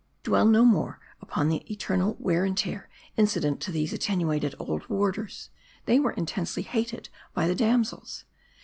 To dwell no more upon the eternal wear and tear incident to these attenuated old \varders, they were intensely hated by the damsels.